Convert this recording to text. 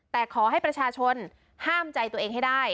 แต่ขอให้ประชาชนห้ามใจตัวเองให้ได้